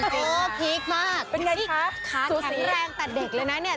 สายย่อจริงนะเพคมากมากแข็งแรงแต่เด็กเลยนะเนี่ย